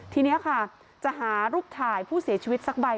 ทีนี้ค่ะจะหารูปถ่ายผู้เสียชีวิตสักใบ